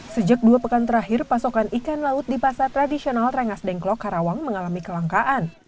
sejak dua pekan terakhir pasokan ikan laut di pasar tradisional rengas dengklok karawang mengalami kelangkaan